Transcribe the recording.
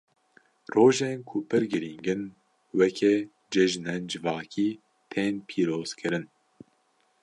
Rojên ku pir girîng in, weke cejinên civakî tên pîrozkirin.